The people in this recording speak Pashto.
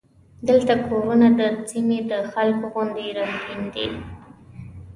دلته کورونه د سیمې د خلکو غوندې رنګین دي.